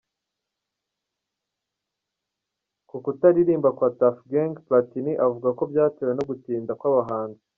Ku kutaririmba kwa Tuff Gang, Platini avuga ko byatewe no gutinda kw’abahanzi.